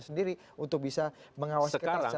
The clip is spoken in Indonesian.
sendiri untuk bisa mengawasi kita